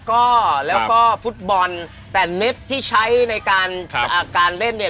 ใครคนอาจไม่รู้ยังหนูก็ได้